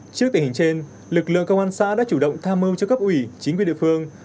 trước tình hình trên lực lượng công an xã đã chủ động tham mưu cho cấp ủy chính quyền địa phương